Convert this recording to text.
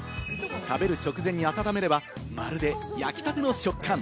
食べる直前に温めれば、まるで焼きたての食感。